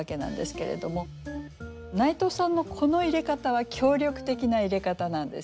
内藤さんのこの入れ方は協力的な入れ方なんですよね。